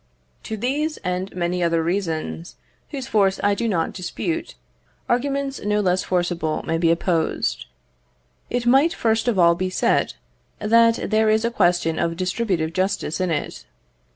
To these and many other reasons, whose force I do not dispute, arguments no less forcible may be opposed. It might first of all be said, that there is a question of distributive justice in it.